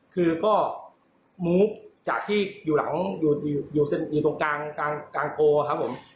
คือก็มูฟจากที่อยู่หลังอยู่ตรงกลางโพลครับผม